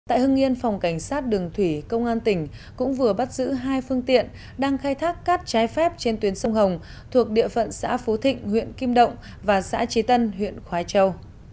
tại hưng yên phòng cảnh sát đường thủy công an tỉnh cũng vừa bắt giữ hai phương tiện đang khai thác cát trái phép trên tuyến sông hồng thuộc địa phận xã phú thịnh huyện kim động và xã trí tân huyện khói châu